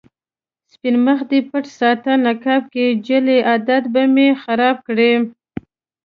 سپين مخ دې پټ ساته نقاب کې، جلۍ عادت به مې خراب کړې